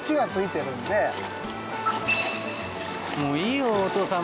もういいよお父さん。